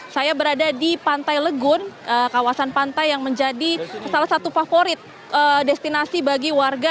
saya berada di pantai legun kawasan pantai yang menjadi salah satu favorit destinasi bagi warga